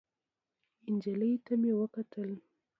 نجلۍ ته مې وکتل.